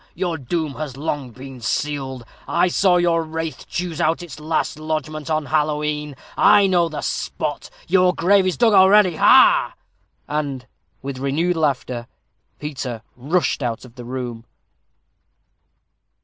your doom has long been sealed! I saw your wraith choose out its last lodgment on Halloween; I know the spot. Your grave is dug already ha, ha!" And, with renewed laughter, Peter rushed out of the room.